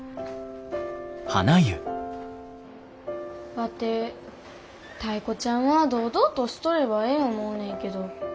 ワテタイ子ちゃんは堂々としとればええ思うねんけど。